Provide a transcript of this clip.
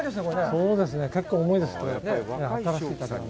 そうですね結構重いです。